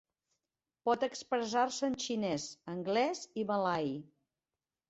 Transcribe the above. Pot expressar-se en xinès, anglès i malai.